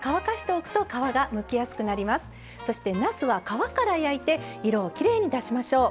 そしてなすは皮から焼いて色をきれいに出しましょう。